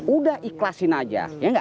udah ikhlasin aja ya